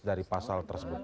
dari pasal tersebut